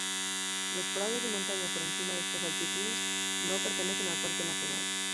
Los prados de montaña por encima de estas altitudes no pertenecen al parque nacional.